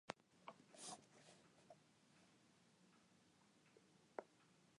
Ik haw dy passaazje in kearmannich lêzen en sil it aanstens noch ris dwaan.